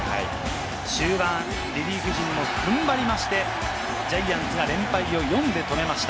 終盤リリーフ陣も踏ん張りまして、ジャイアンツが連敗を４で止めました。